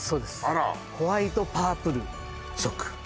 あらホワイトパープル色